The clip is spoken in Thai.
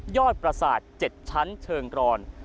ประสาท๗ชั้นเชิงกรอน